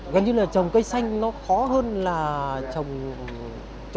gần như là trồng cây xanh nó khó hơn là trồng